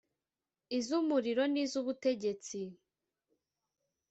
iz’umurimo n’iz’ubutegetsi